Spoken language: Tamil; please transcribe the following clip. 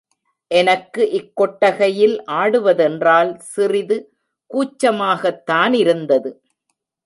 எனக்கு இக்கொட்டகையில் ஆடுவதென்றால், சிறிது கூச்சமாகத்தானிருந்தது.